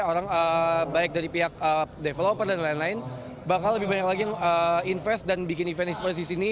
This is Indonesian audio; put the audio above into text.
orang baik dari pihak developer dan lain lain bakal lebih banyak lagi invest dan bikin event e sports di sini